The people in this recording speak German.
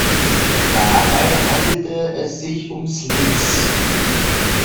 Dabei handelte es sich um Slicks.